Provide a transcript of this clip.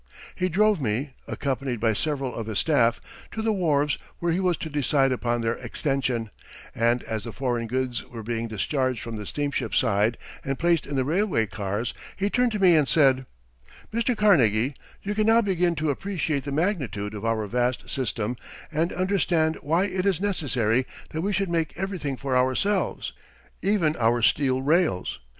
He drove me, accompanied by several of his staff, to the wharves where he was to decide about their extension, and as the foreign goods were being discharged from the steamship side and placed in the railway cars, he turned to me and said: "Mr. Carnegie, you can now begin to appreciate the magnitude of our vast system and understand why it is necessary that we should make everything for ourselves, even our steel rails.